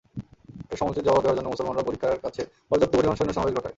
এর সমুচিত জবাব দেওয়ার জন্য মুসলমানরাও পরিখার কাছে পর্যাপ্ত পরিমাণ সৈন্য সমাবেশ ঘটায়।